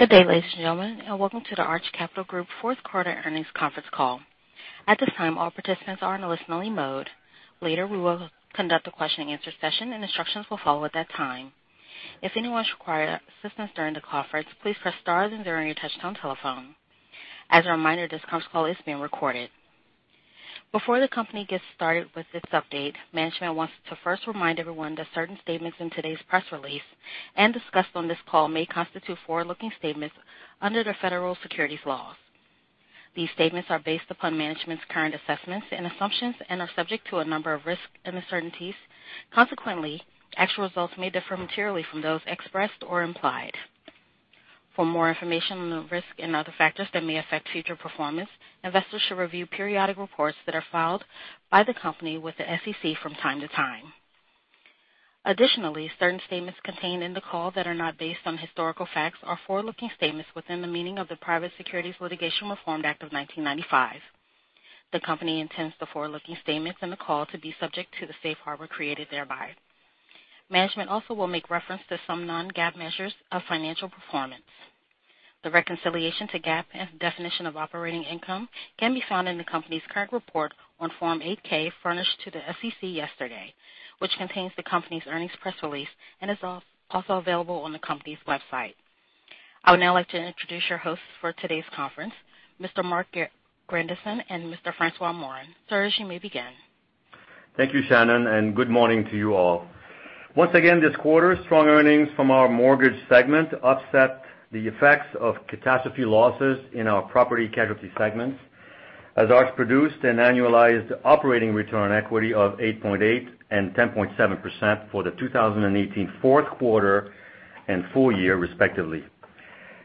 Good day, ladies and gentlemen, welcome to the Arch Capital Group fourth quarter earnings conference call. At this time, all participants are in a listening mode. Later, we will conduct a question and answer session, instructions will follow at that time. If anyone requires assistance during the conference, please press star then zero on your touchtone telephone. As a reminder, this conference call is being recorded. Before the company gets started with its update, management wants to first remind everyone that certain statements in today's press release discussed on this call may constitute forward-looking statements under the federal securities laws. These statements are based upon management's current assessments and assumptions are subject to a number of risks and uncertainties. Consequently, actual results may differ materially from those expressed or implied. For more information on the risks and other factors that may affect future performance, investors should review periodic reports that are filed by the company with the SEC from time to time. Additionally, certain statements contained in the call that are not based on historical facts are forward-looking statements within the meaning of the Private Securities Litigation Reform Act of 1995. The company intends the forward-looking statements in the call to be subject to the safe harbor created thereby. Management also will make reference to some non-GAAP measures of financial performance. The reconciliation to GAAP definition of operating income can be found in the company's current report on Form 8-K furnished to the SEC yesterday, which contains the company's earnings press release is also available on the company's website. I would now like to introduce your hosts for today's conference, Mr. Marc Grandisson and Mr. François Morin. Sirs, you may begin. Thank you, Shannon, good morning to you all. Once again, this quarter, strong earnings from our mortgage segment offset the effects of catastrophe losses in our property casualty segments as Arch produced an annualized operating return on equity of 8.8% 10.7% for the 2018 fourth quarter full year respectively.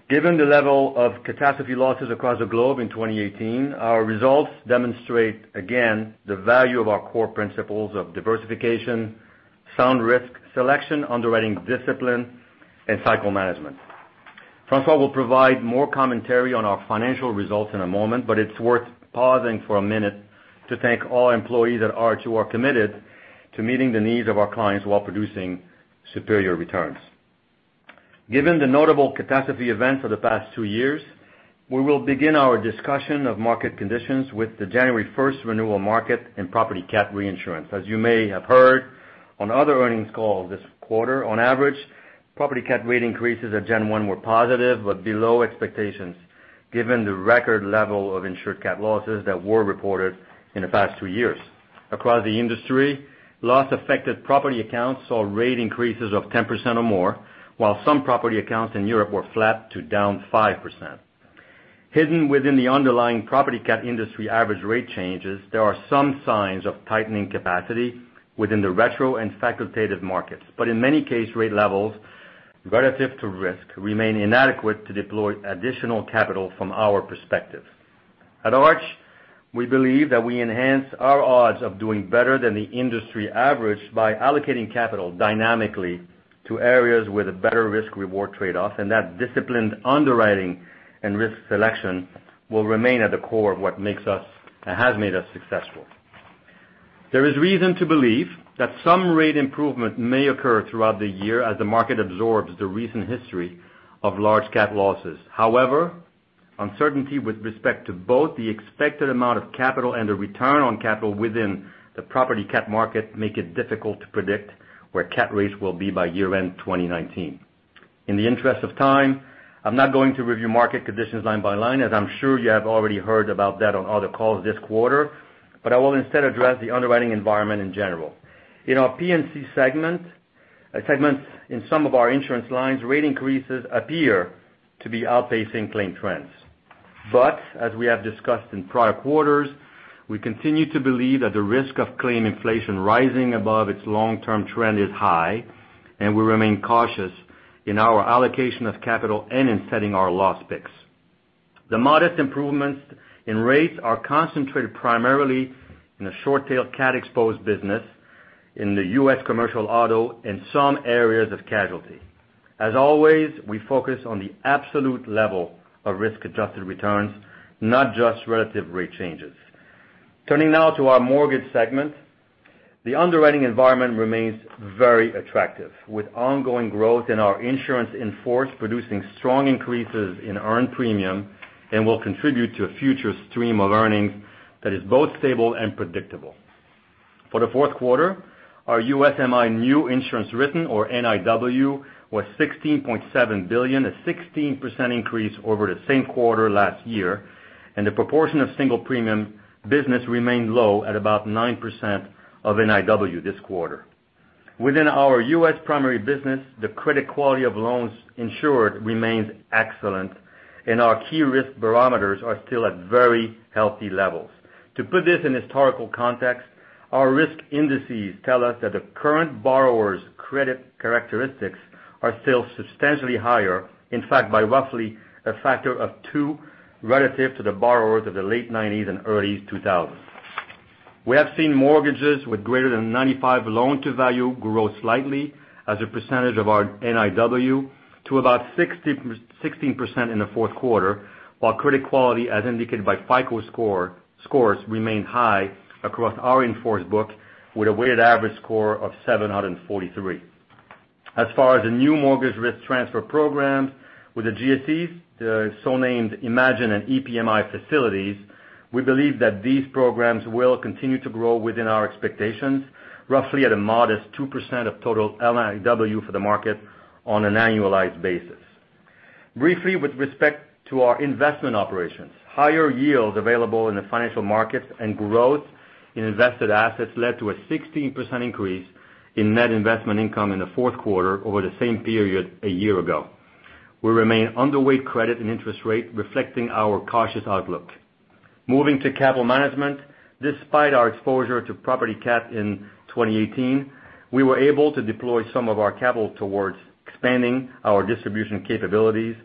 Given the level of catastrophe losses across the globe in 2018, our results demonstrate again the value of our core principles of diversification, sound risk selection, underwriting discipline, cycle management. François will provide more commentary on our financial results in a moment, it's worth pausing for a minute to thank all employees at Arch who are committed to meeting the needs of our clients while producing superior returns. Given the notable catastrophe events of the past two years, we will begin our discussion of market conditions with the January 1st renewal market in property catastrophe reinsurance. As you may have heard on other earnings calls this quarter, on average, property catastrophe rate increases at January 1 were positive but below expectations given the record level of insured cat losses that were reported in the past two years. Across the industry, loss-affected property accounts saw rate increases of 10% or more, while some property accounts in Europe were flat to down 5%. Hidden within the underlying property catastrophe industry average rate changes, there are some signs of tightening capacity within the retrocession and facultative markets. In many case rate levels relative to risk remain inadequate to deploy additional capital from our perspective. At Arch, we believe that we enhance our odds of doing better than the industry average by allocating capital dynamically to areas with a better risk-reward trade-off, that disciplined underwriting and risk selection will remain at the core of what makes us and has made us successful. There is reason to believe that some rate improvement may occur throughout the year as the market absorbs the recent history of large cat losses. However, uncertainty with respect to both the expected amount of capital and the return on capital within the property catastrophe market make it difficult to predict where cat rates will be by year-end 2019. In the interest of time, I'm not going to review market conditions line by line, as I'm sure you have already heard about that on other calls this quarter, I will instead address the underwriting environment in general. In our P&C segment, in some of our insurance lines, rate increases appear to be outpacing claim trends. As we have discussed in prior quarters, we continue to believe that the risk of claim inflation rising above its long-term trend is high, we remain cautious in our allocation of capital and in setting our loss picks. The modest improvements in rates are concentrated primarily in the short-tail cat-exposed business in the U.S. commercial auto and some areas of casualty. As always, we focus on the absolute level of risk-adjusted returns, not just relative rate changes. Turning now to our mortgage segment. The underwriting environment remains very attractive, with ongoing growth in our insurance in force producing strong increases in earned premium and will contribute to a future stream of earnings that is both stable and predictable. For the fourth quarter, our USMI new insurance written, or NIW, was $16.7 billion, a 16% increase over the same quarter last year, the proportion of single premium business remained low at about 9% of NIW this quarter. Within our U.S. primary business, the credit quality of loans insured remains excellent, our key risk barometers are still at very healthy levels. To put this in historical context, our risk indices tell us that the current borrowers' credit characteristics are still substantially higher, in fact, by roughly a factor of two relative to the borrowers of the late '90s and early 2000s. We have seen mortgages with greater than 95 loan-to-value grow slightly as a percentage of our NIW to about 16% in the fourth quarter, while credit quality, as indicated by FICO scores, remained high across our in-force book with a weighted average score of 743. As far as the new mortgage risk transfer programs with the GSEs, the so-named IMAGIN and EPMI facilities, we believe that these programs will continue to grow within our expectations, roughly at a modest 2% of total NIW for the market on an annualized basis. Briefly, with respect to our investment operations, higher yields available in the financial markets and growth in invested assets led to a 16% increase in net investment income in the fourth quarter over the same period a year ago. We remain underweight credit and interest rate, reflecting our cautious outlook. Moving to capital management, despite our exposure to property catastrophe in 2018, we were able to deploy some of our capital towards expanding our distribution capabilities,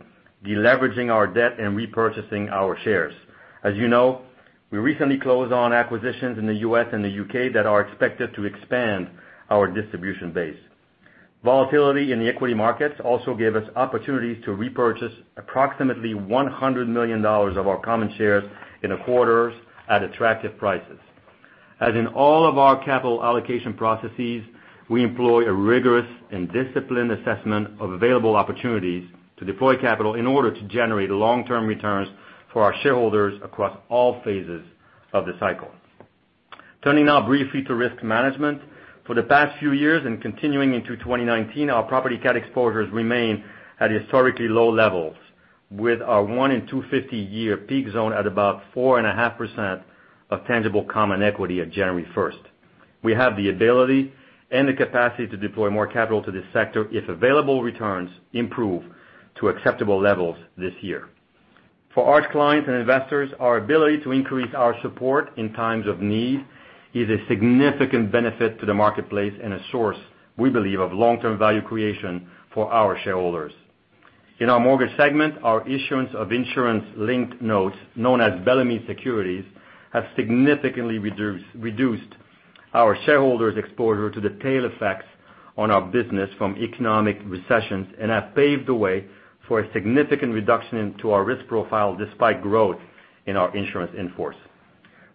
deleveraging our debt, and repurchasing our shares. As you know, we recently closed on acquisitions in the U.S. and the U.K. that are expected to expand our distribution base. Volatility in the equity markets also gave us opportunities to repurchase approximately $100 million of our common shares in a quarter at attractive prices. As in all of our capital allocation processes, we employ a rigorous and disciplined assessment of available opportunities to deploy capital in order to generate long-term returns for our shareholders across all phases of the cycle. Turning now briefly to risk management. For the past few years and continuing into 2019, our property catastrophe exposures remain at historically low levels, with our one in 250-year peak zone at about 4.5% of tangible common equity at January 1st. We have the ability and the capacity to deploy more capital to this sector if available returns improve to acceptable levels this year. For Arch clients and investors, our ability to increase our support in times of need is a significant benefit to the marketplace and a source, we believe, of long-term value creation for our shareholders. In our mortgage segment, our issuance of insurance-linked notes, known as Bellemeade securities, have significantly reduced our shareholders' exposure to the tail effects on our business from economic recessions and have paved the way for a significant reduction into our risk profile, despite growth in our insurance in-force.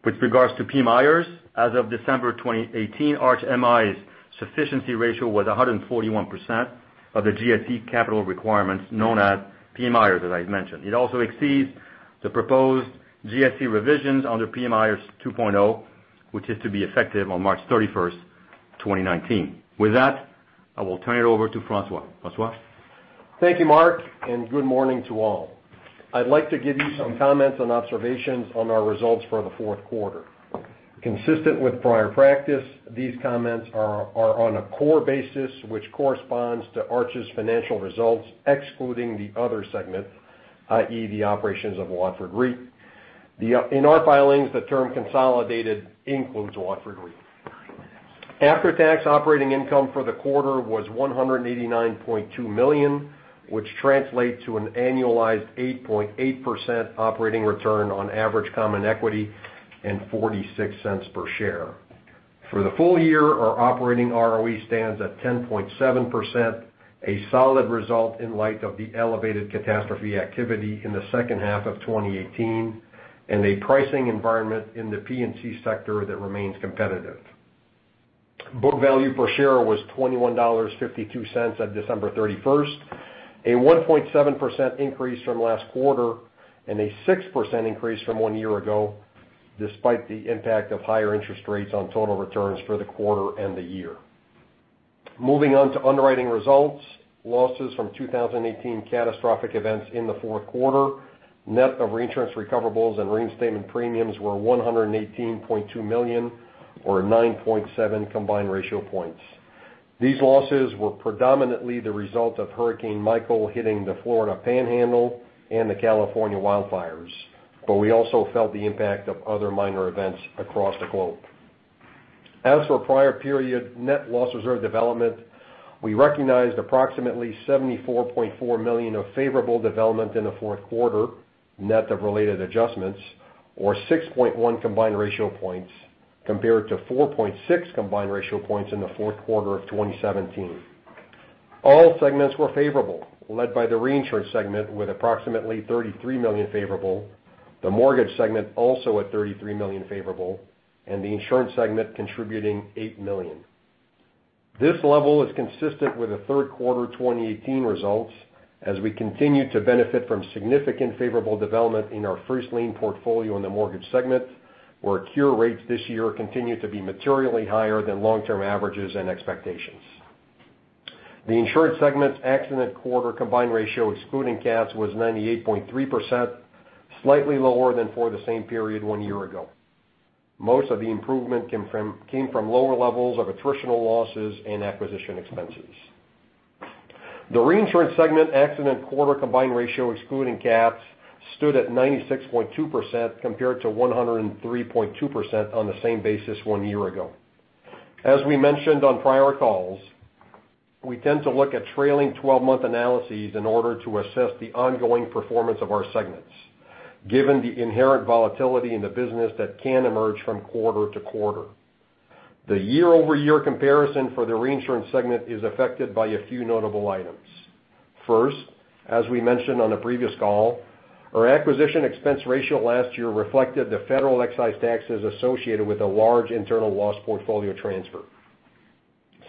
With regards to PMIERs, as of December 2018, Arch MI's sufficiency ratio was 141% of the GSE capital requirements known as PMIER, as I mentioned. It also exceeds the proposed GSE revisions under PMIERs 2.0, which is to be effective on March 31st, 2019. With that, I will turn it over to François. François? Thank you, Marc, and good morning to all. I'd like to give you some comments and observations on our results for the fourth quarter. Consistent with prior practice, these comments are on a core basis which corresponds to Arch's financial results excluding the other segment, i.e., the operations of Watford Re. In our filings, the term consolidated includes Watford Re. After-tax operating income for the quarter was $189.2 million, which translates to an annualized 8.8% operating return on average common equity and $0.46 per share. For the full year, our operating ROE stands at 10.7%, a solid result in light of the elevated catastrophe activity in the second half of 2018 and a pricing environment in the P&C sector that remains competitive. Book value per share was $21.52 on December 31, a 1.7% increase from last quarter and a 6% increase from one year ago, despite the impact of higher interest rates on total returns for the quarter and the year. Moving on to underwriting results. Losses from 2018 catastrophic events in the fourth quarter, net of reinsurance recoverables and reinstatement premiums were $118.2 million, or 9.7 combined ratio points. These losses were predominantly the result of Hurricane Michael hitting the Florida Panhandle and the California wildfires, but we also felt the impact of other minor events across the globe. As for prior period net loss reserve development, we recognized approximately $74.4 million of favorable development in the fourth quarter, net of related adjustments, or 6.1 combined ratio points, compared to 4.6 combined ratio points in the fourth quarter of 2017. All segments were favorable, led by the reinsurance segment with approximately $33 million favorable, the mortgage segment also at $33 million favorable, and the insurance segment contributing $8 million. This level is consistent with the third quarter 2018 results as we continue to benefit from significant favorable development in our first lien portfolio in the mortgage segment, where cure rates this year continue to be materially higher than long-term averages and expectations. The insurance segment's accident quarter combined ratio excluding cats was 98.3%, slightly lower than for the same period one year ago. Most of the improvement came from lower levels of attritional losses and acquisition expenses. The reinsurance segment accident quarter combined ratio excluding cats stood at 96.2%, compared to 103.2% on the same basis one year ago. As we mentioned on prior calls, we tend to look at trailing 12-month analyses in order to assess the ongoing performance of our segments given the inherent volatility in the business that can emerge from quarter to quarter. The year-over-year comparison for the reinsurance segment is affected by a few notable items. First, as we mentioned on a previous call, our acquisition expense ratio last year reflected the federal excise taxes associated with a large internal loss portfolio transfer.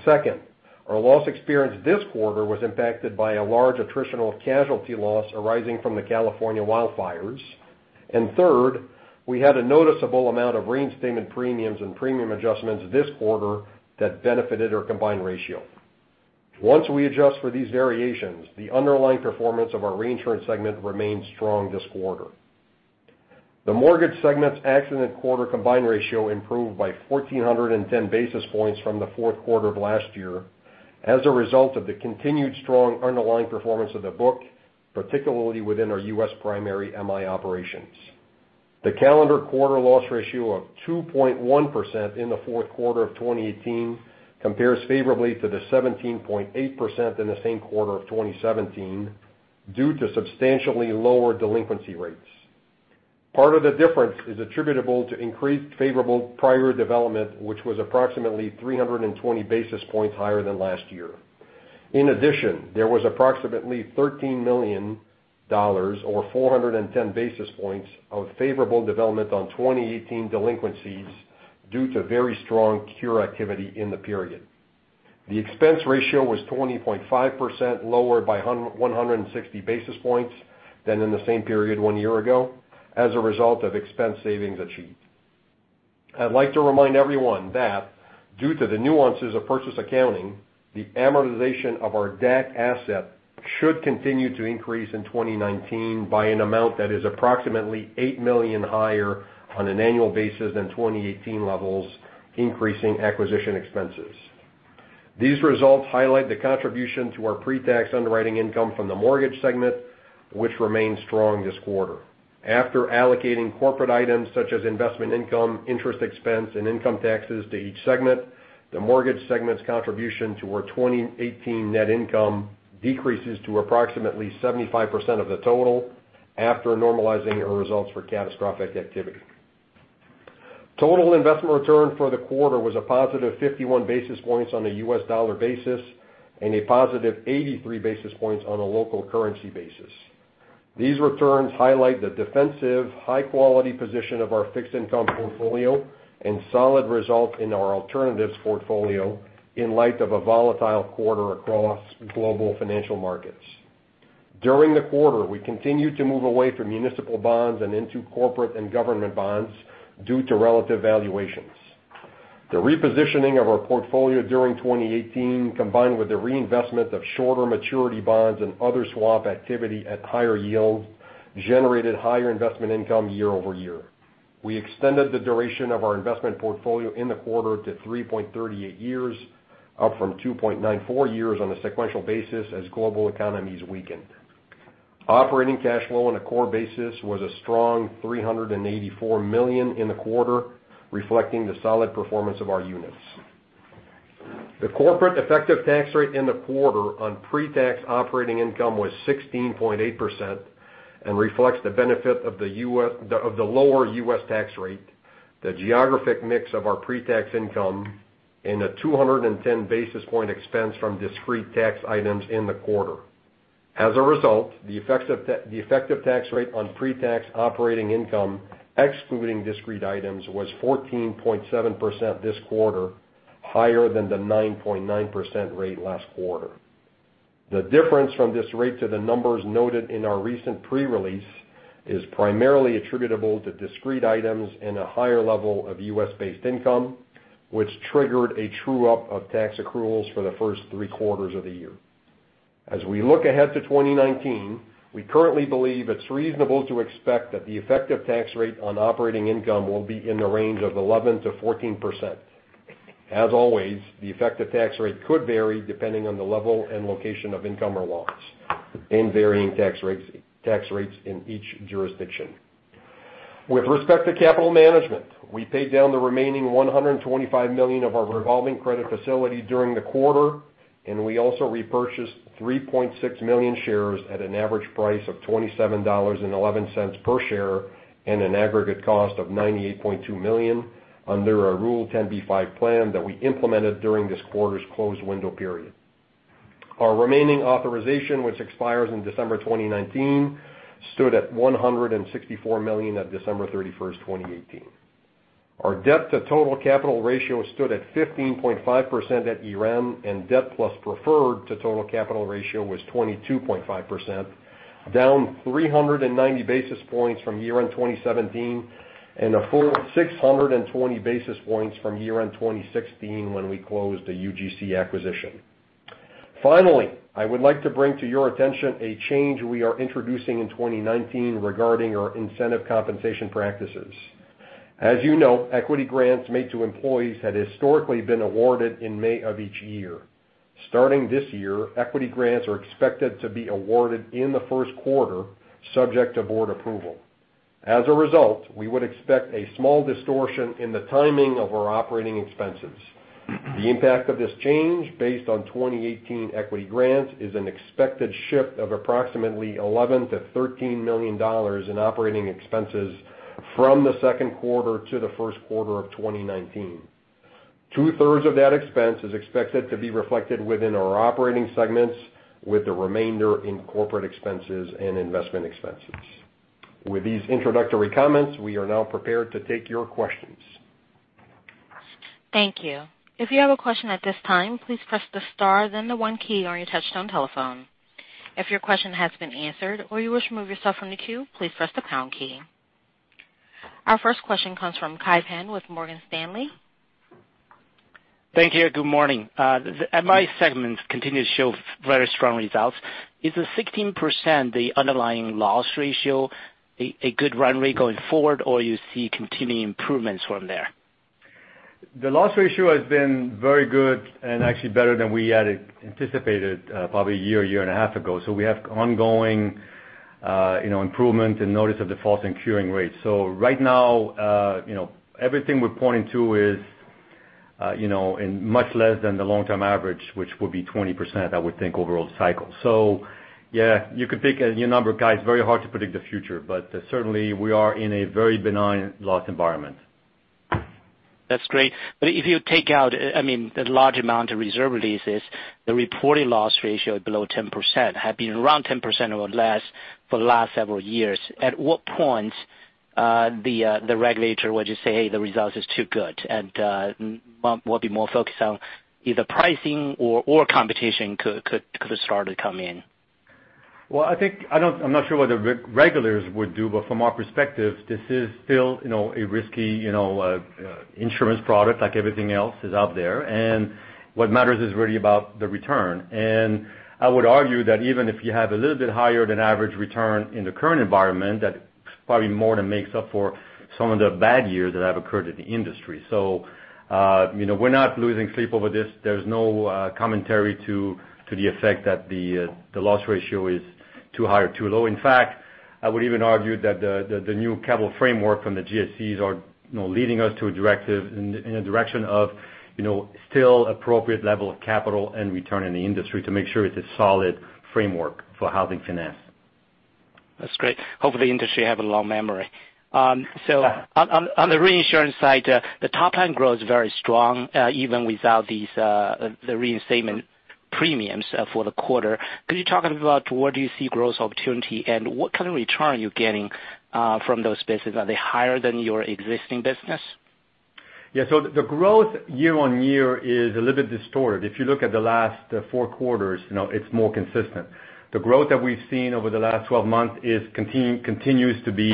Second, our loss experience this quarter was impacted by a large attritional casualty loss arising from the California wildfires. Third, we had a noticeable amount of reinstatement premiums and premium adjustments this quarter that benefited our combined ratio. Once we adjust for these variations, the underlying performance of our reinsurance segment remains strong this quarter. The mortgage segment's accident quarter combined ratio improved by 1,410 basis points from the fourth quarter of last year as a result of the continued strong underlying performance of the book, particularly within our U.S. primary MI operations. The calendar quarter loss ratio of 2.1% in the fourth quarter of 2018 compares favorably to the 17.8% in the same quarter of 2017 due to substantially lower delinquency rates. Part of the difference is attributable to increased favorable prior development, which was approximately 320 basis points higher than last year. In addition, there was approximately $13 million, or 410 basis points of favorable development on 2018 delinquencies due to very strong cure activity in the period. The expense ratio was 20.5%, lower by 160 basis points than in the same period one year ago as a result of expense savings achieved. I'd like to remind everyone that due to the nuances of purchase accounting, the amortization of our DAC asset should continue to increase in 2019 by an amount that is approximately $8 million higher on an annual basis than 2018 levels, increasing acquisition expenses. These results highlight the contribution to our pre-tax underwriting income from the mortgage segment, which remains strong this quarter. After allocating corporate items such as investment income, interest expense, and income taxes to each segment, the mortgage segment's contribution to our 2018 net income decreases to approximately 75% of the total after normalizing our results for catastrophic activity. Total investment return for the quarter was a positive 51 basis points on a U.S. dollar basis and a positive 83 basis points on a local currency basis. These returns highlight the defensive, high-quality position of our fixed income portfolio and solid results in our alternatives portfolio in light of a volatile quarter across global financial markets. During the quarter, we continued to move away from municipal bonds and into corporate and government bonds due to relative valuations. The repositioning of our portfolio during 2018, combined with the reinvestment of shorter maturity bonds and other swap activity at higher yields, generated higher investment income year-over-year. We extended the duration of our investment portfolio in the quarter to 3.38 years, up from 2.94 years on a sequential basis as global economies weakened. Operating cash flow on a core basis was a strong $384 million in the quarter, reflecting the solid performance of our units. The corporate effective tax rate in the quarter on pre-tax operating income was 16.8% and reflects the benefit of the lower U.S. tax rate, the geographic mix of our pre-tax income, and a 210 basis point expense from discrete tax items in the quarter. As a result, the effective tax rate on pre-tax operating income, excluding discrete items, was 14.7% this quarter, higher than the 9.9% rate last quarter. The difference from this rate to the numbers noted in our recent pre-release is primarily attributable to discrete items and a higher level of U.S.-based income, which triggered a true-up of tax accruals for the first three quarters of the year. As we look ahead to 2019, we currently believe it's reasonable to expect that the effective tax rate on operating income will be in the range of 11%-14%. As always, the effective tax rate could vary depending on the level and location of income or loss and varying tax rates in each jurisdiction. With respect to capital management, we paid down the remaining $125 million of our revolving credit facility during the quarter, and we also repurchased 3.6 million shares at an average price of $27.11 per share and an aggregate cost of $98.2 million under our Rule 10b-5 plan that we implemented during this quarter's close window period. Our remaining authorization, which expires in December 2019, stood at $164 million at December 31, 2018. Our debt to total capital ratio stood at 15.5% at year-end, and debt plus preferred to total capital ratio was 22.5%, down 390 basis points from year-end 2017 and a full 620 basis points from year-end 2016 when we closed the UGC acquisition. Finally, I would like to bring to your attention a change we are introducing in 2019 regarding our incentive compensation practices. As you know, equity grants made to employees had historically been awarded in May of each year. Starting this year, equity grants are expected to be awarded in the first quarter, subject to board approval. As a result, we would expect a small distortion in the timing of our operating expenses. The impact of this change, based on 2018 equity grants, is an expected shift of approximately $11 million to $13 million in operating expenses from the second quarter to the first quarter of 2019. Two-thirds of that expense is expected to be reflected within our operating segments, with the remainder in corporate expenses and investment expenses. With these introductory comments, we are now prepared to take your questions. Thank you. If you have a question at this time, please press the star then the one key on your touchtone telephone. If your question has been answered or you wish to remove yourself from the queue, please press the pound key. Our first question comes from Kai Pan with Morgan Stanley. Thank you. Good morning. The MI segments continue to show very strong results. Is the 16% the underlying loss ratio a good run rate going forward, or you see continuing improvements from there? The loss ratio has been very good and actually better than we had anticipated probably a year and a half ago. We have ongoing improvement in notice of default and curing rates. Right now, everything we're pointing to is much less than the long-term average, which would be 20%, I would think, overall cycle. Yeah, you can pick a new number, Kai. It's very hard to predict the future, but certainly we are in a very benign loss environment. That's great. If you take out the large amount of reserve releases, the reported loss ratio below 10% have been around 10% or less for the last several years. At what point the regulator would just say, "Hey, the result is too good," and will be more focused on either pricing or competition could start to come in? Well, I'm not sure what the regulators would do, but from our perspective, this is still a risky insurance product, like everything else is out there. What matters is really about the return. I would argue that even if you have a little bit higher than average return in the current environment, that probably more than makes up for some of the bad years that have occurred in the industry. We're not losing sleep over this. There's no commentary to the effect that the loss ratio is too high or too low. In fact, I would even argue that the new capital framework from the GSEs are leading us in a direction of still appropriate level of capital and return in the industry to make sure it's a solid framework for housing finance. That's great. Hopefully, industry have a long memory. On the reinsurance side, the top line growth is very strong, even without the reinstatement premiums for the quarter. Could you talk a little about where do you see growth opportunity and what kind of return you're getting from those spaces? Are they higher than your existing business? Yeah. The growth year-over-year is a little bit distorted. If you look at the last 4 quarters, it's more consistent. The growth that we've seen over the last 12 months continues to be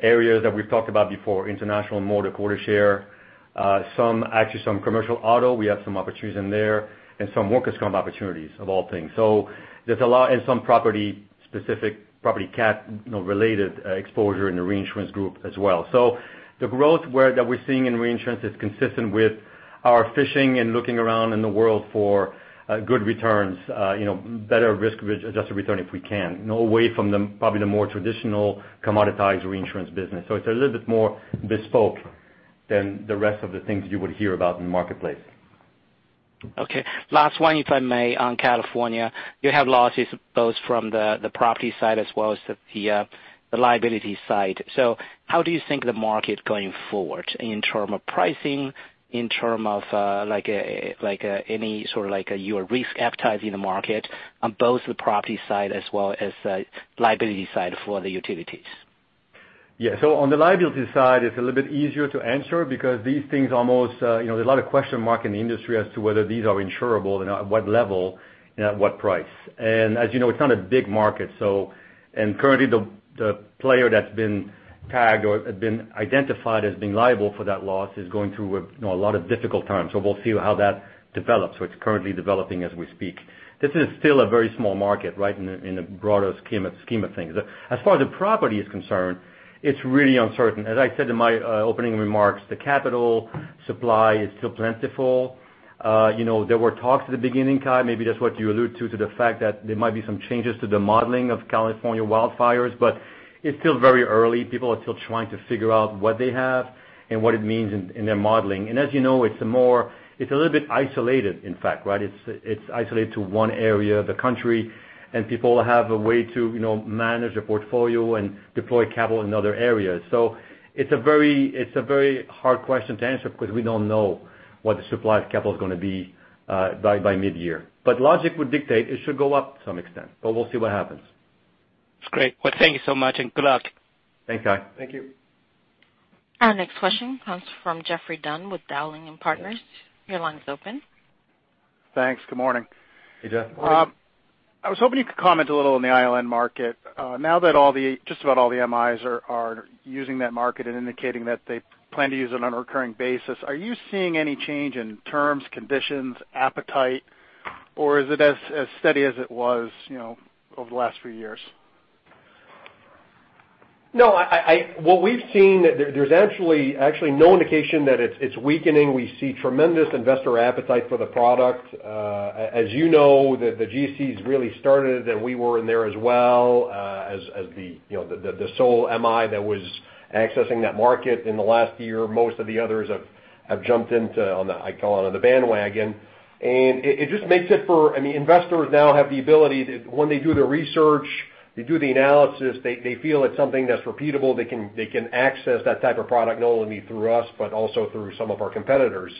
areas that we've talked about before, international motor quota share, actually some commercial auto, we have some opportunities in there, and some workers' comp opportunities, of all things. There's a lot, and some property specific, property catastrophe related exposure in the reinsurance group as well. The growth that we're seeing in reinsurance is consistent with our fishing and looking around in the world for good returns, better risk-adjusted return if we can. Away from probably the more traditional commoditized reinsurance business. It's a little bit more bespoke than the rest of the things you would hear about in the marketplace. Okay. Last one, if I may, on California. You have losses both from the property side as well as the liability side. How do you think the market going forward in term of pricing, in term of any sort of your risk appetite in the market on both the property side as well as the liability side for the utilities? Yeah. On the liability side, it's a little bit easier to answer because these things almost, there's a lot of question mark in the industry as to whether these are insurable and at what level and at what price. As you know, it's not a big market. Currently, the player that's been tagged or has been identified as being liable for that loss is going through a lot of difficult times. We'll see how that develops, which currently developing as we speak. This is still a very small market, right? In the broader scheme of things. As far as the property is concerned, it's really uncertain. As I said in my opening remarks, the capital supply is still plentiful. There were talks at the beginning, Kai, maybe that's what you allude to the fact that there might be some changes to the modeling of California wildfires, it's still very early. People are still trying to figure out what they have and what it means in their modeling. As you know, it's a little bit isolated, in fact, right? It's isolated to one area of the country, and people have a way to manage a portfolio and deploy capital in other areas. It's a very hard question to answer because we don't know what the supply of capital is going to be by mid-year. Logic would dictate it should go up to some extent, but we'll see what happens. Great. Well, thank you so much, and good luck. Thanks, Kai. Thank you. Our next question comes from Geoffrey Dunn with Dowling & Partners. Your line is open. Thanks. Good morning. Hey, Jeff. I was hoping you could comment a little on the ILN market. Now that just about all the MIs are using that market and indicating that they plan to use it on a recurring basis, are you seeing any change in terms, conditions, appetite, or is it as steady as it was over the last few years? No. What we've seen, there's actually no indication that it's weakening. We see tremendous investor appetite for the product. As you know, the GSEs really started, and we were in there as well as the sole MI that was accessing that market in the last year. Most of the others have jumped into, I call it on the bandwagon. Investors now have the ability to, when they do their research- They do the analysis. They feel it's something that's repeatable. They can access that type of product not only through us, but also through some of our competitors.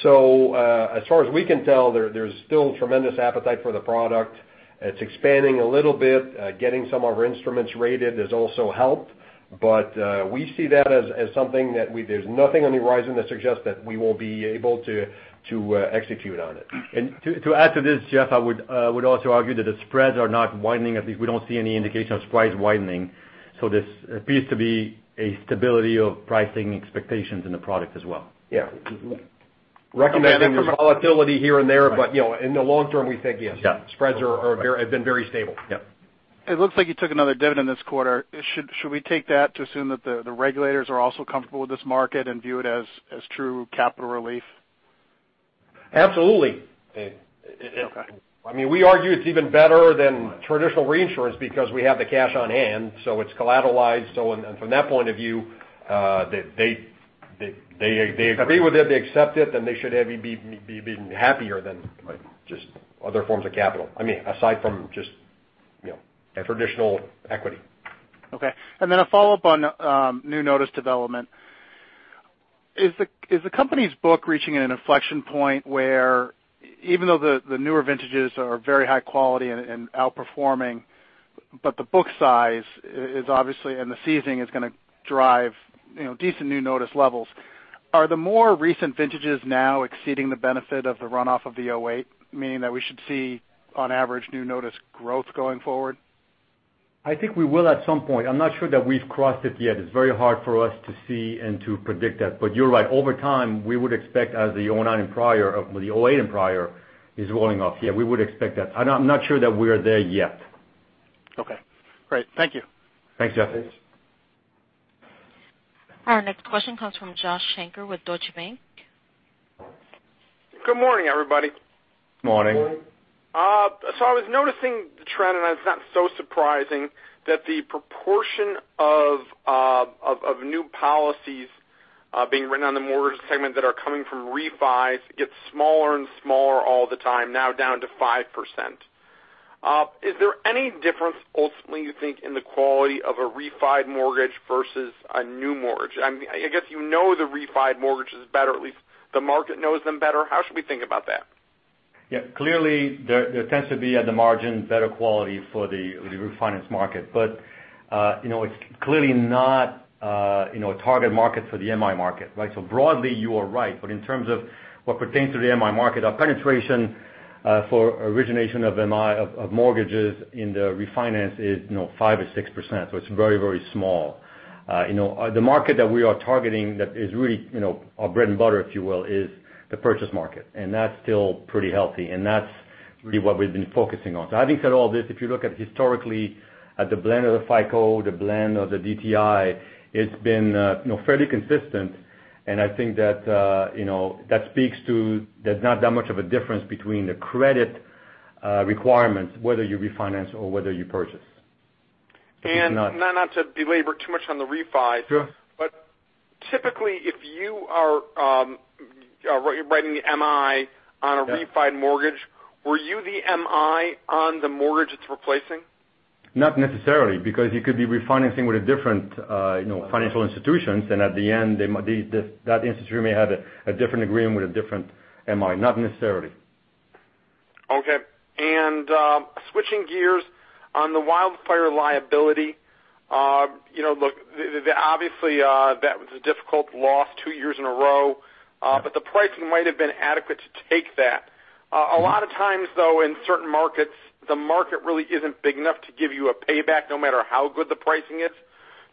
As far as we can tell, there's still tremendous appetite for the product. It's expanding a little bit. Getting some of our instruments rated has also helped. We see that as something that there's nothing on the horizon that suggests that we won't be able to execute on it. To add to this, Jeff, I would also argue that the spreads are not widening. At least we don't see any indication of spreads widening. This appears to be a stability of pricing expectations in the product as well. Yeah. Recommending some volatility here and there. In the long term, we think yes. Yeah. Spreads have been very stable. Yeah. It looks like you took another dividend this quarter. Should we take that to assume that the regulators are also comfortable with this market and view it as true capital relief? Absolutely. Okay. We argue it's even better than traditional reinsurance because we have the cash on hand, so it's collateralized. From that point of view, they agree with it, they accept it, then they should be even happier than just other forms of capital. Aside from just a traditional equity. Okay. Then a follow-up on new notice development. Is the company's book reaching an inflection point where even though the newer vintages are very high quality and outperforming, but the book size is obviously, and the ceasing is going to drive decent new notice levels. Are the more recent vintages now exceeding the benefit of the runoff of the 2008, meaning that we should see on average new notice growth going forward? I think we will at some point. I'm not sure that we've crossed it yet. It's very hard for us to see and to predict that. You're right. Over time, we would expect as the 2009 and prior, or the 2008 and prior is rolling off, yeah, we would expect that. I'm not sure that we are there yet. Okay, great. Thank you. Thanks, Jeff. Our next question comes from Joshua Shanker with Deutsche Bank. Good morning, everybody. Morning. I was noticing the trend, it's not so surprising that the proportion of new policies being written on the mortgage segment that are coming from refis get smaller and smaller all the time, now down to 5%. Is there any difference ultimately, you think, in the quality of a refi mortgage versus a new mortgage? I guess you know the refi mortgage is better, at least the market knows them better. How should we think about that? Yeah. Clearly, there tends to be at the margin better quality for the refinance market. It's clearly not a target market for the MI market, right? Broadly, you are right. In terms of what pertains to the MI market, our penetration for origination of MI of mortgages in the refinance is 5%-6%. It's very small. The market that we are targeting that is really our bread and butter, if you will, is the purchase market. That's still pretty healthy. That's really what we've been focusing on. Having said all this, if you look at historically at the blend of the FICO, the blend of the DTI, it's been fairly consistent, and I think that speaks to there's not that much of a difference between the credit requirements, whether you refinance or whether you purchase. Not to belabor too much on the refi. Sure If you are writing the MI on a refi mortgage, were you the MI on the mortgage it's replacing? Not necessarily, because you could be refinancing with a different financial institutions, and at the end, that institution may have a different agreement with a different MI. Not necessarily. Okay. Switching gears on the wildfire liability. Look, obviously, that was a difficult loss two years in a row. The pricing might have been adequate to take that. A lot of times, though, in certain markets, the market really isn't big enough to give you a payback no matter how good the pricing is.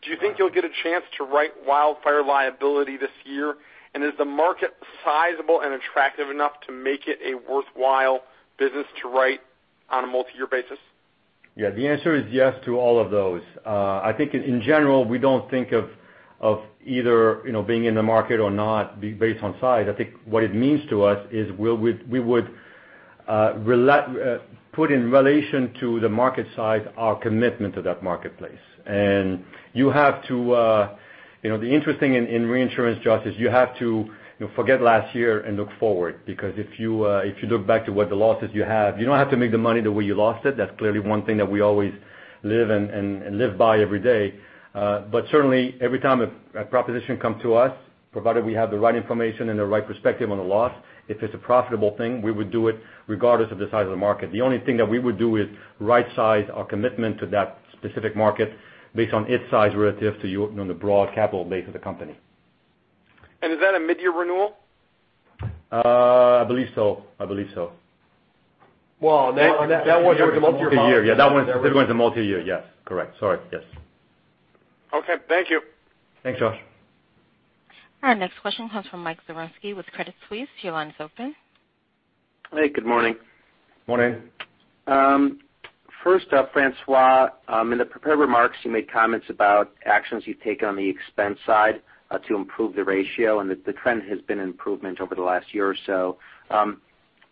Do you think you'll get a chance to write wildfire liability this year? Is the market sizable and attractive enough to make it a worthwhile business to write on a multi-year basis? Yeah. The answer is yes to all of those. I think in general, we don't think of either being in the market or not based on size. I think what it means to us is we would put in relation to the market size our commitment to that marketplace. The interesting in reinsurance, Josh, is you have to forget last year and look forward. Because if you look back to what the losses you have, you don't have to make the money the way you lost it. That's clearly one thing that we always live by every day. Certainly, every time a proposition comes to us, provided we have the right information and the right perspective on the loss, if it's a profitable thing, we would do it regardless of the size of the market. The only thing that we would do is rightsize our commitment to that specific market based on its size relative to the broad capital base of the company. Is that a mid-year renewal? I believe so. Well, that one was a multi-year model. That one's a multi-year. Yes. Correct. Sorry. Yes. Okay. Thank you. Thanks, Josh. Our next question comes from Mike Zaremski with Credit Suisse. Your line is open. Hey, good morning. Morning. First up, François, in the prepared remarks, you made comments about actions you've taken on the expense side to improve the ratio, the trend has been improvement over the last year or so.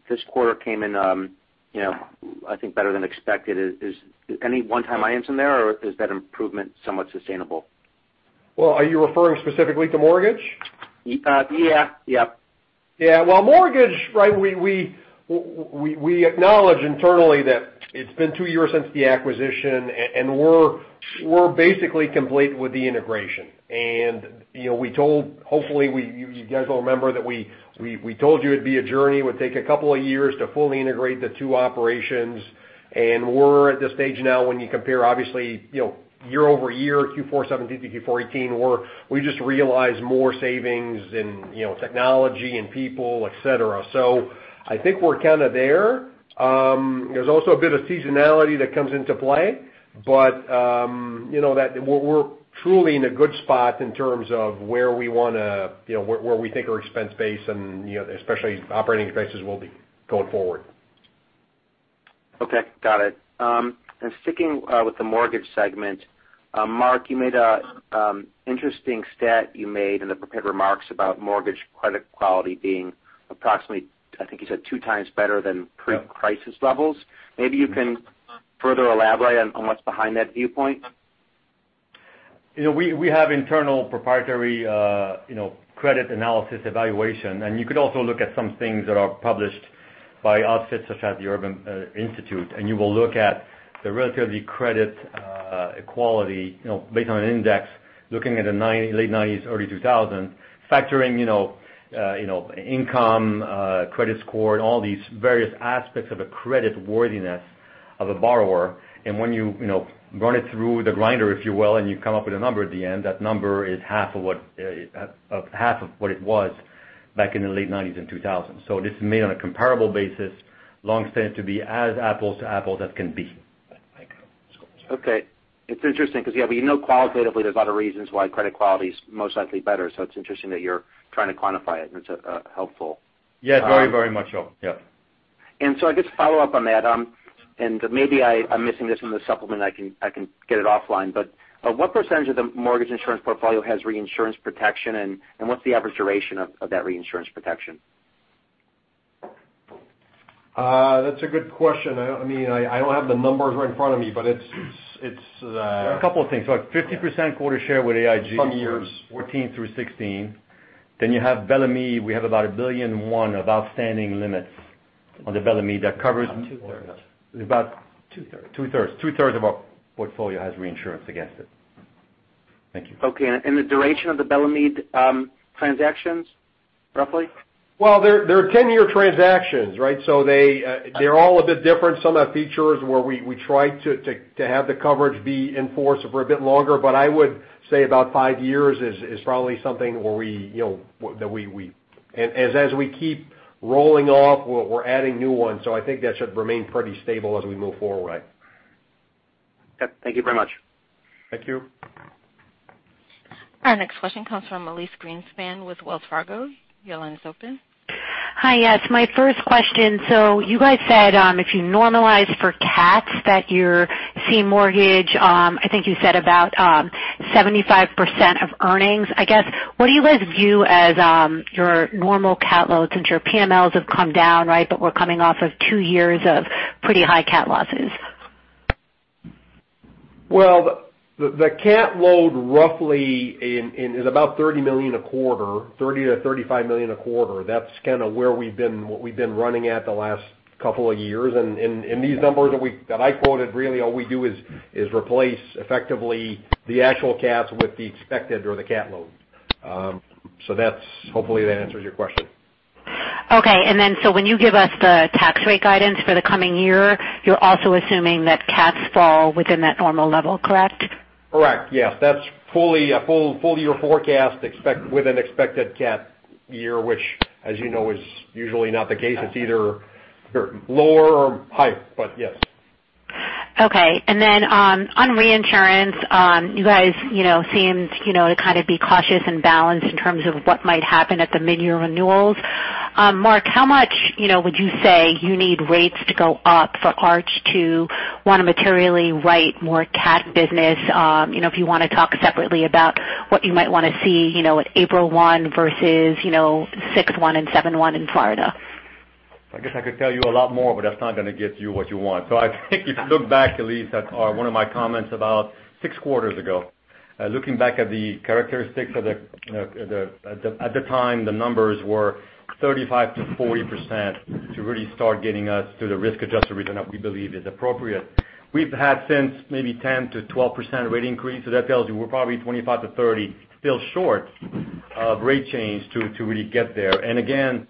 This quarter came in I think, better than expected. Is any one-time items in there, or is that improvement somewhat sustainable? Well, are you referring specifically to mortgage? Yeah. Yeah. Well, mortgage, we acknowledge internally that it's been two years since the acquisition, we're basically complete with the integration. Hopefully, you guys will remember that we told you it'd be a journey. It would take a couple of years to fully integrate the two operations. We're at the stage now when you compare, obviously, year-over-year, Q4 2017 to Q4 2018, we just realized more savings in technology, in people, et cetera. I think we're kind of there. There's also a bit of seasonality that comes into play. We're truly in a good spot in terms of where we think our expense base and especially operating expenses will be going forward. Okay. Got it. Sticking with the mortgage segment, Marc, you made an interesting stat you made in the prepared remarks about mortgage credit quality being approximately, I think you said, two times better than pre-crisis levels. Maybe you can further elaborate on what's behind that viewpoint. We have internal proprietary credit analysis evaluation. You could also look at some things that are published by outfits such as the Urban Institute. You will look at the relatively credit quality based on an index looking at the late 1990s, early 2000, factoring income, credit score, and all these various aspects of a credit worthiness of a borrower. When you run it through the grinder, if you will, and you come up with a number at the end, that number is half of what it was back in the late 1990s and 2000. This is made on a comparable basis, long stand to be as apples to apples as can be. Okay. It's interesting because, yeah, you know qualitatively there's a lot of reasons why credit quality is most likely better. It's interesting that you're trying to quantify it, and it's helpful. Yeah. Very, very much so. Yep. I guess follow up on that, and maybe I'm missing this in the supplement, I can get it offline, but what percentage of the mortgage insurance portfolio has reinsurance protection, and what's the average duration of that reinsurance protection? That's a good question. I don't have the numbers right in front of me, but it's. A couple of things. 50% quota share with AIG. Some years. 14 through 16. You have Bellemeade. We have about $1.1 billion of outstanding limits on the Bellemeade that covers- About two-thirds. About- Two-thirds two-thirds of our portfolio has reinsurance against it. Thank you. Okay, the duration of the Bellemeade transactions, roughly? Well, they're 10-year transactions, right? They're all a bit different. Some have features where we try to have the coverage be in force for a bit longer, but I would say about five years is probably something where as we keep rolling off, we're adding new ones. I think that should remain pretty stable as we move forward. Right. Yep. Thank you very much. Thank you. Our next question comes from Elyse Greenspan with Wells Fargo. Your line is open. Hi. Yes. My first question, you guys said, if you normalize for cats, that you're seeing mortgage, I think you said about 75% of earnings. I guess, what do you guys view as your normal cat load since your PMLs have come down, right, but we're coming off of 2 years of pretty high cat losses? Well, the cat load roughly is about $30 million a quarter, $30 million-$35 million a quarter. That's kind of where we've been running at the last couple of years. These numbers that I quoted, really all we do is replace effectively the actual cats with the expected or the cat load. Hopefully, that answers your question. Okay. When you give us the tax rate guidance for the coming year, you're also assuming that cats fall within that normal level, correct? Correct. Yes. That's a full year forecast with an expected cat year, which as you know is usually not the case. It's either lower or higher, but yes. Okay. On reinsurance, you guys seemed to kind of be cautious and balanced in terms of what might happen at the mid-year renewals. Marc, how much would you say you need rates to go up for Arch to want to materially write more cat business? If you want to talk separately about what you might want to see at April 1 versus June 1 and July 1 in Florida. I guess I could tell you a lot more, but that's not going to get you what you want. I think if you look back, Elyse, at one of my comments about six quarters ago, looking back at the characteristics at the time, the numbers were 35%-40% to really start getting us to the risk-adjusted return that we believe is appropriate. We've had since maybe 10%-12% rate increase, that tells you we're probably 25%-30% still short of rate change to really get there. Again,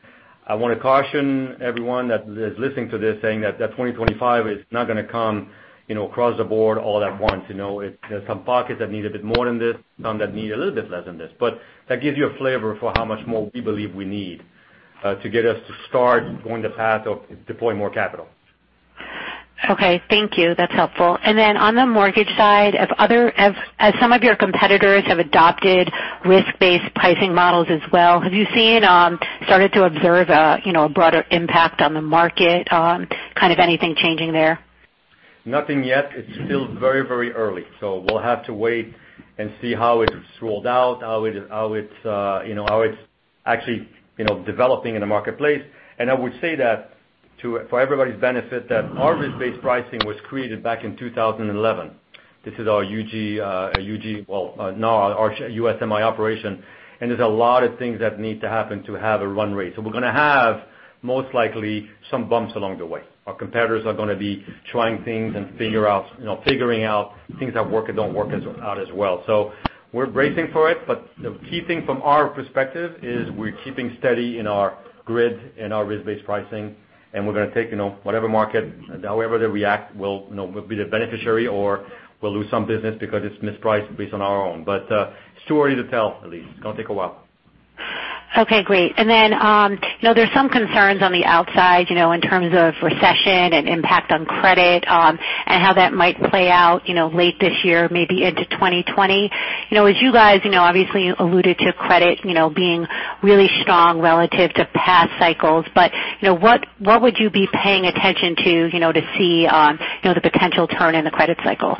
I want to caution everyone that is listening to this saying that 2025 is not going to come across the board all at once. There's some pockets that need a bit more than this, some that need a little bit less than this. That gives you a flavor for how much more we believe we need to get us to start going the path of deploying more capital. Okay. Thank you. That's helpful. On the mortgage side, as some of your competitors have adopted risk-based pricing models as well, have you started to observe a broader impact on the market? Kind of anything changing there? Nothing yet. It's still very early. We'll have to wait and see how it's rolled out, how it's actually developing in the marketplace. I would say that for everybody's benefit, our risk-based pricing was created back in 2011. This is our UGC, well, now our USMI operation, and there's a lot of things that need to happen to have a run rate. We're going to have, most likely, some bumps along the way. Our competitors are going to be trying things and figuring out things that work and don't work out as well. We're bracing for it, the key thing from our perspective is we're keeping steady in our grid, in our risk-based pricing, and we're going to take whatever market, however they react, we'll be the beneficiary or we'll lose some business because it's mispriced based on our own. It's too early to tell, Elyse. It's going to take a while. Okay, great. There's some concerns on the outside in terms of recession and impact on credit and how that might play out late this year, maybe into 2020. As you guys obviously alluded to credit being really strong relative to past cycles, what would you be paying attention to to see the potential turn in the credit cycle?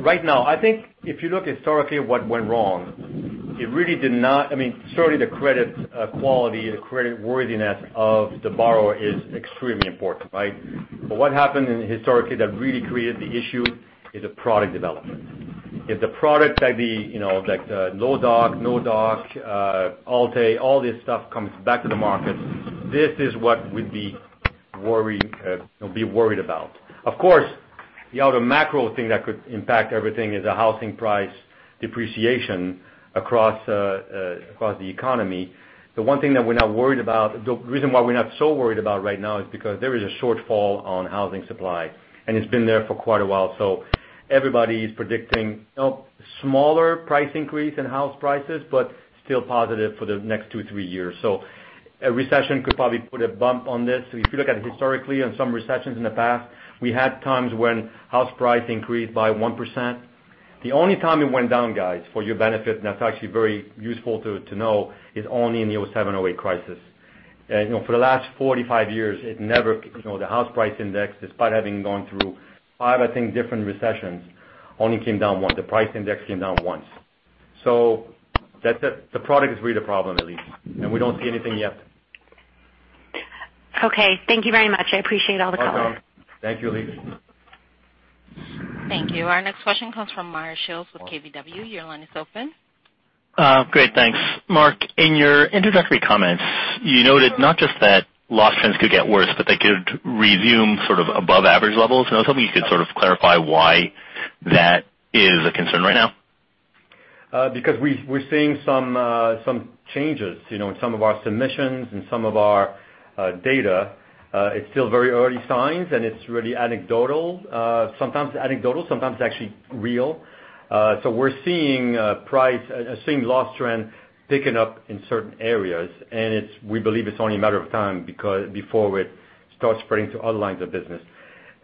Right now, I think if you look historically at what went wrong, certainly the credit quality, the credit worthiness of the borrower is extremely important, right? What happened historically that really created the issue is the product development. If the product, like the low doc, no doc, Alt-A, all this stuff comes back to the market, this is what we'd be worried about. Of course, the other macro thing that could impact everything is the housing price depreciation across the economy. The one thing that we're not worried about, the reason why we're not so worried about right now is because there is a shortfall on housing supply, and it's been there for quite a while. Everybody's predicting smaller price increase in house prices, but still positive for the next two, three years. A recession could probably put a bump on this. If you look at it historically on some recessions in the past, we had times when house price increased by 1%. The only time it went down, guys, for your benefit, and that's actually very useful to know, is only in the '07, '08 crisis. For the last 45 years, the house price index, despite having gone through five, I think, different recessions, only came down once. The price index came down once. The product is really the problem, Elyse, and we don't see anything yet. Okay. Thank you very much. I appreciate all the color. Welcome. Thank you, Elyse. Thank you. Our next question comes from Meyer Shields with KBW. Your line is open. Great, thanks. Marc, in your introductory comments, you noted not just that loss trends could get worse, but they could resume above average levels. I was hoping you could clarify why that is a concern right now. We're seeing some changes in some of our submissions and some of our data. It's still very early signs, and it's really anecdotal. Sometimes anecdotal, sometimes actually real. We're seeing loss trend picking up in certain areas, and we believe it's only a matter of time before it starts spreading to other lines of business.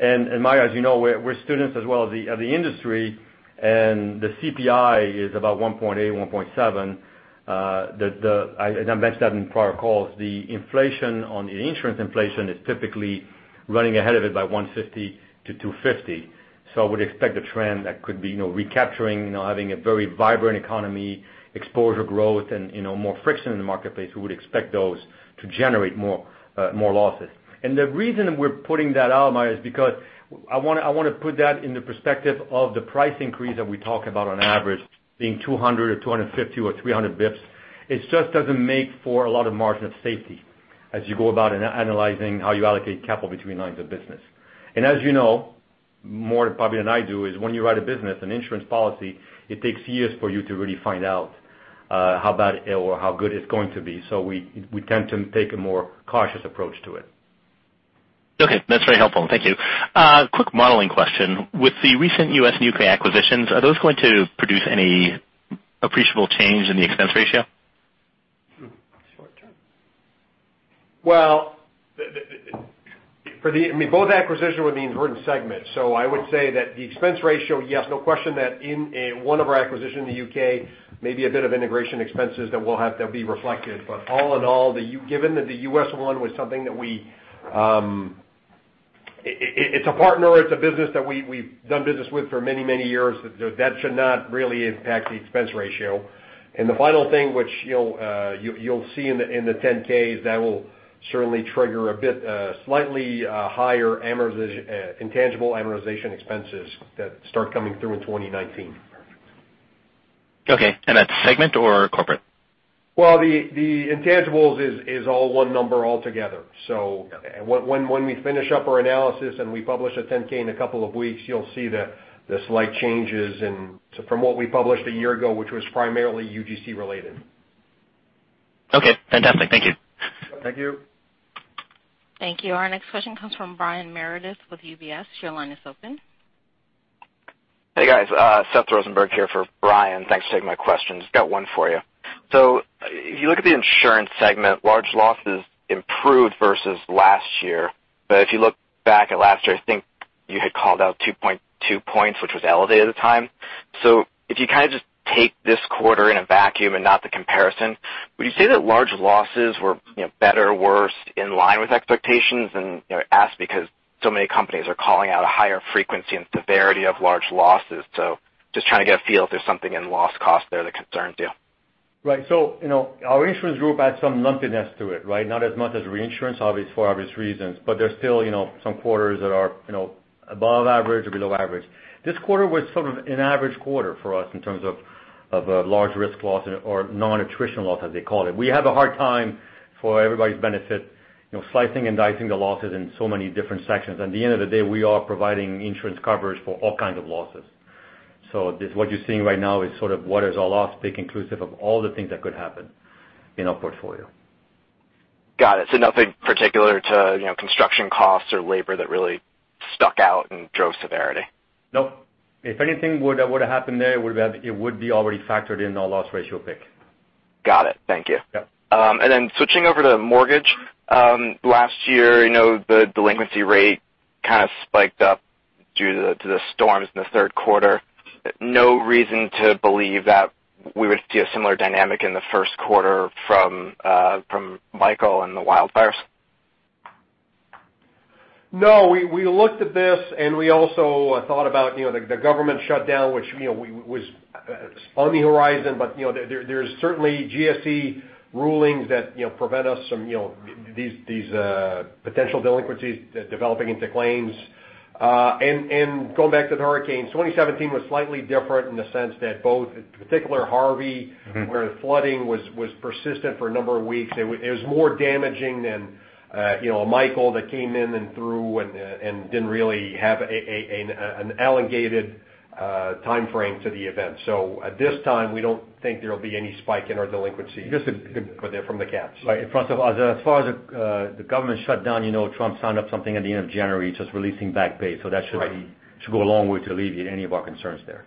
Meyer, as you know, we're students as well of the industry, and the CPI is about 1.8, 1.7. As I mentioned that in prior calls, the inflation on the insurance inflation is typically running ahead of it by 150 to 250. I would expect a trend that could be recapturing, having a very vibrant economy, exposure growth, and more friction in the marketplace. We would expect those to generate more losses. The reason we're putting that out, Meyer, is because I want to put that in the perspective of the price increase that we talk about on average being 200 or 250 or 300 basis points. It just doesn't make for a lot of margin of safety as you go about analyzing how you allocate capital between lines of business. As you know more probably than I do, is when you write a business, an insurance policy, it takes years for you to really find out how bad or how good it's going to be. We tend to take a more cautious approach to it. Okay, that's very helpful. Thank you. Quick modeling question. With the recent U.S. nuclear acquisitions, are those going to produce any appreciable change in the expense ratio? Short term. Both acquisitions were the mortgage segment. I would say that the expense ratio, yes, no question that in one of our acquisition in the U.K., maybe a bit of integration expenses that will have to be reflected. All in all, given that the U.S. one, it's a partner, it's a business that we've done business with for many, many years. That should not really impact the expense ratio. The final thing which you'll see in the 10-K is that will certainly trigger a slightly higher intangible amortization expenses that start coming through in 2019. Okay. That's segment or corporate? The intangibles is all one number altogether. When we finish up our analysis and we publish a 10-K in a couple of weeks, you'll see the slight changes from what we published a year ago, which was primarily UGC related. Okay, fantastic. Thank you. Thank you. Thank you. Our next question comes from Brian Meredith with UBS. Your line is open. Hey, guys. Seth Rosenberg here for Brian. Thanks for taking my questions. Got one for you. If you look at the insurance segment, large losses improved versus last year. If you look back at last year, I think you had called out 2.2 points, which was elevated at the time. If you kind of just take this quarter in a vacuum and not the comparison, would you say that large losses were better or worse in line with expectations? I ask because so many companies are calling out a higher frequency and severity of large losses. Just trying to get a feel if there's something in loss cost there that concerns you. Right. Our insurance group adds some lumpiness to it, right? Not as much as reinsurance, for obvious reasons, there's still some quarters that are above average or below average. This quarter was sort of an average quarter for us in terms of large risk loss or non-attrition loss, as they call it. We have a hard time, for everybody's benefit, slicing and dicing the losses in so many different sections. At the end of the day, we are providing insurance coverage for all kinds of losses. What you're seeing right now is sort of what is our loss pick inclusive of all the things that could happen in our portfolio. Got it. Nothing particular to construction costs or labor that really stuck out and drove severity? Nope. If anything would have happened there, it would be already factored in our loss ratio pick. Got it. Thank you. Yeah. Switching over to mortgage. Last year, the delinquency rate kind of spiked up due to the storms in the third quarter. No reason to believe that we would see a similar dynamic in the first quarter from Hurricane Michael and the wildfires? We looked at this, and we also thought about the government shutdown, which was on the horizon. There's certainly GSE rulings that prevent us from these potential delinquencies developing into claims. Going back to the hurricane, 2017 was slightly different in the sense that both, in particular Hurricane Harvey. Where the flooding was persistent for a number of weeks. It was more damaging than Hurricane Michael that came in and through, and didn't really have an elongated timeframe to the event. At this time, we don't think there'll be any spike in our delinquency from the cats. Right. As far as the government shutdown, Trump signed up something at the end of January just releasing back pay. That should be. Right should go a long way to alleviate any of our concerns there.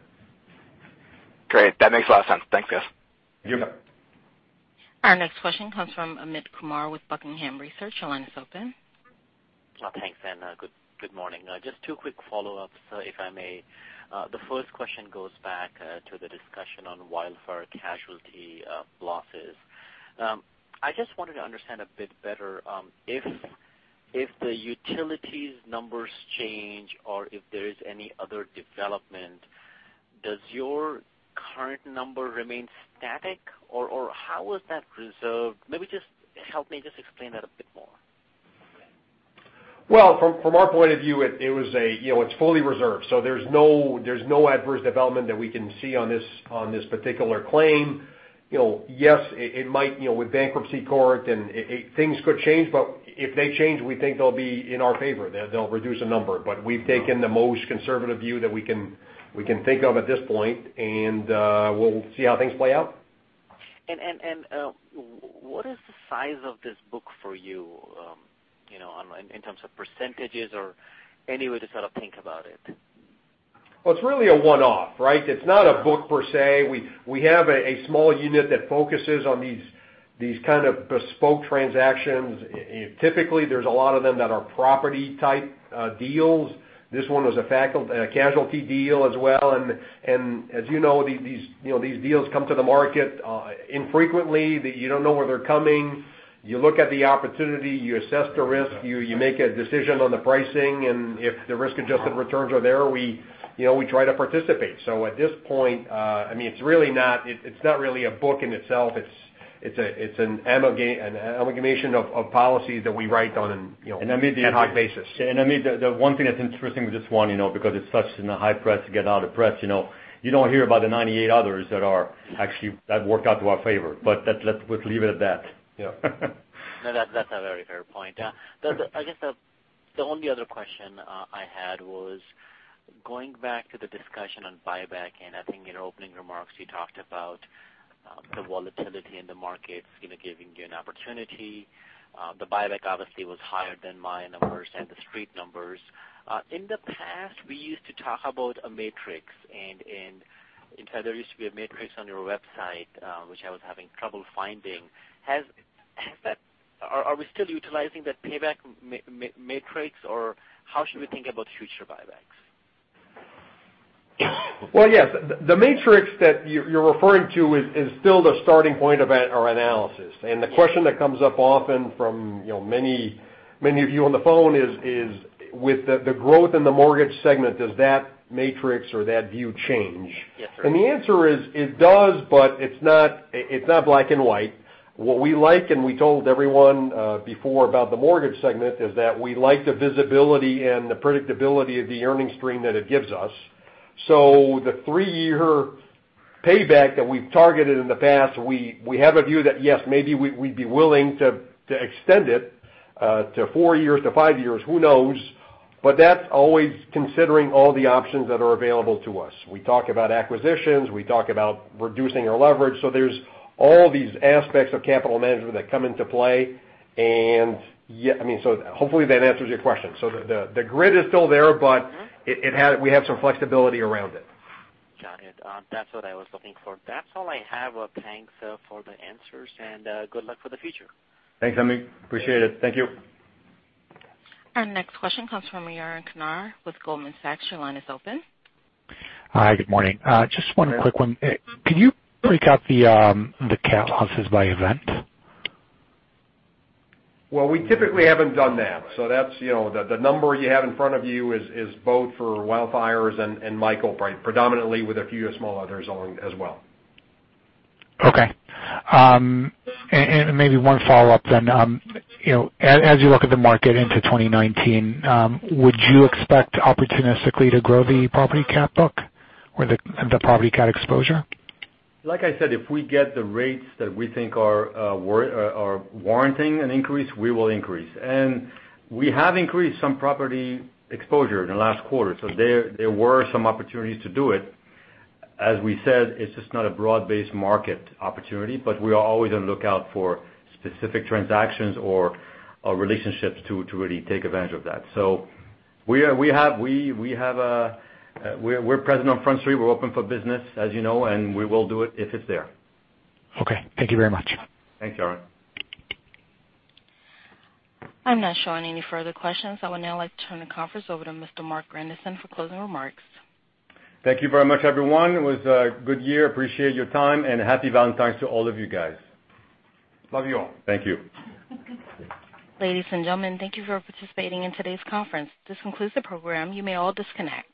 Great. That makes a lot of sense. Thanks, guys. You bet. Our next question comes from Amit Kumar with Buckingham Research. Your line is open. Thanks. Good morning. Just two quick follow-ups, if I may. The first question goes back to the discussion on wildfire casualty losses. I just wanted to understand a bit better, if the utilities numbers change or if there is any other development, does your current number remain static, or how is that reserved? Maybe help me explain that a bit more. Well, from our point of view, it's fully reserved. There's no adverse development that we can see on this particular claim. Yes, it might with bankruptcy court, and things could change, but if they change, we think they'll be in our favor. They'll reduce the number. We've taken the most conservative view that we can think of at this point, and we'll see how things play out. What is the size of this book for you, in terms of percentages or any way to sort of think about it? Well, it's really a one-off, right? It's not a book per se. We have a small unit that focuses on these kind of bespoke transactions. Typically, there's a lot of them that are property-type deals. This one was a casualty deal as well. As you know, these deals come to the market infrequently. You don't know where they're coming. You look at the opportunity, you assess the risk, you make a decision on the pricing, and if the risk-adjusted returns are there, we try to participate. At this point, it's not really a book in itself. It's an amalgamation of policies that we write on an ad hoc basis. Amit, the one thing that's interesting with this one, because it's such in the high price to get out of breath, you don't hear about the 98 others that worked out to our favor. Let's leave it at that. Yeah. No, that's a very fair point. I guess the only other question I had was going back to the discussion on buyback, and I think in your opening remarks, you talked about the volatility in the markets giving you an opportunity. The buyback obviously was higher than my numbers and the Street numbers. In the past, we used to talk about a matrix, and in fact, there used to be a matrix on your website, which I was having trouble finding. Are we still utilizing that payback matrix, or how should we think about future buybacks? Well, yes. The matrix that you're referring to is still the starting point of our analysis. The question that comes up often from many of you on the phone is, with the growth in the mortgage segment, does that matrix or that view change? Yes, sir. The answer is it does, but it's not black and white. What we like, and we told everyone before about the mortgage segment, is that we like the visibility and the predictability of the earnings stream that it gives us. The three-year payback that we've targeted in the past, we have a view that, yes, maybe we'd be willing to extend it to four years, to five years, who knows? That's always considering all the options that are available to us. We talk about acquisitions, we talk about reducing our leverage. There's all these aspects of capital management that come into play. Hopefully that answers your question. The grid is still there, but we have some flexibility around it. Got it. That's what I was looking for. That's all I have. Thanks for the answers, and good luck for the future. Thanks, Amit. Appreciate it. Thank you. Our next question comes from Yaron Kinar with Goldman Sachs. Your line is open. Hi, good morning. Just one quick one. Could you break out the cat losses by event? Well, we typically haven't done that. The number you have in front of you is both for wildfires and Michael, predominantly with a few small others as well. Okay. Maybe one follow-up then. As you look at the market into 2019, would you expect opportunistically to grow the property catastrophe book or the property catastrophe exposure? Like I said, if we get the rates that we think are warranting an increase, we will increase. We have increased some property exposure in the last quarter. There were some opportunities to do it. As we said, it's just not a broad-based market opportunity, we are always on lookout for specific transactions or relationships to really take advantage of that. We're present on Front Street. We're open for business, as you know, we will do it if it's there. Okay. Thank you very much. Thanks, Yaron. I'm not showing any further questions. I would now like to turn the conference over to Mr. Marc Grandisson for closing remarks. Thank you very much, everyone. It was a good year. Appreciate your time, and happy Valentine's to all of you guys. Love you all. Thank you. Ladies and gentlemen, thank you for participating in today's conference. This concludes the program. You may all disconnect.